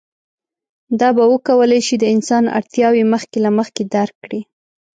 دا به وکولی شي د انسان اړتیاوې مخکې له مخکې درک کړي.